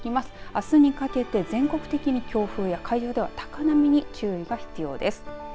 あすにかけて全国的に強風や海上では高波に注意が必要です。